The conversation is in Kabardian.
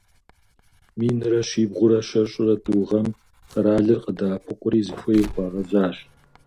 Минрэ щибгъурэ щэщӏрэ тӏу гъэм къэралыр къадэӏэпыкъури, зыхуей хуагъэзащ.